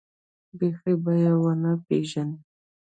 بيخي به يې ونه پېژنې.